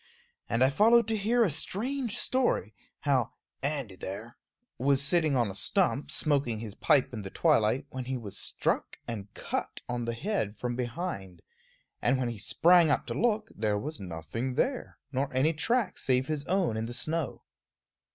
And I followed to hear a strange story, how "Andy there" was sitting on a stump, smoking his pipe in the twilight, when he was struck and cut on the head from behind; and when he sprang up to look, there was nothing there, nor any track save his own in the snow.